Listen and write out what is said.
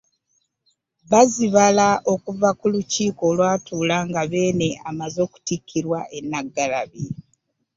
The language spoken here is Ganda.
Bazibala okuva ku Lukiiko olwatuula nga Beene amaze okutikkirwa e Naggalabi.